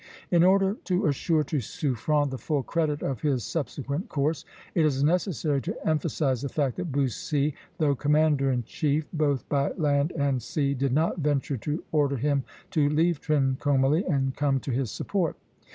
In order to assure to Suffren the full credit of his subsequent course, it is necessary to emphasize the fact that Bussy, though commander in chief both by land and sea, did not venture to order him to leave Trincomalee and come to his support.